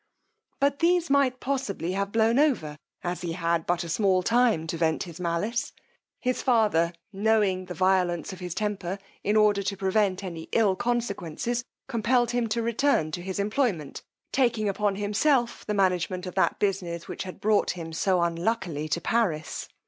But these might possibly have blown over, as he had but a small time to vent his malice. His father knowing the violence of his temper, in order to prevent any ill consequences, compelled him to return to his employment; taking upon himself the management of that business which had brought him so unluckily to Paris.